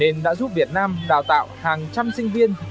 nên đã giúp việt nam đào tạo hàng trăm sinh viên